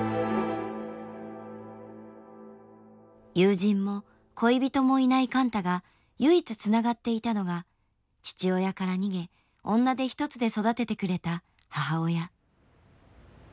友人も恋人もいない貫多が唯一つながっていたのが父親から逃げ女手ひとつで育ててくれた母親。